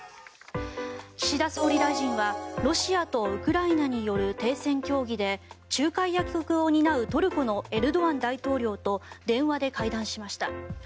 岸田総理大臣はロシアとウクライナによる停戦交渉で仲介役を担うトルコのエルドアン大統領と電話で会談しました。